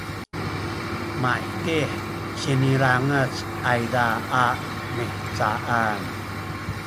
maydih sinilangec ayza a mihcaan